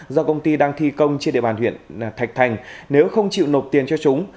do công ty đang thi công trên địa bàn huyện thạch thành nếu không chịu nộp tiền cho chúng